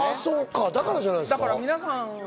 だからじゃないですか？